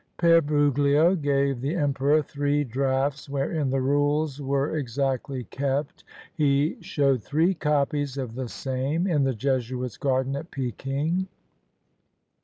Pere Bruglio gave the emperor three drafts wherein the rules were exactly kept. He showed three copies of the same in the Jesuits' Garden at Peking.